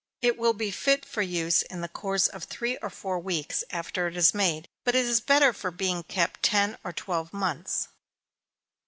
It will be fit for use in the course of three or four weeks after it is made, but it is better for being kept ten or twelve months.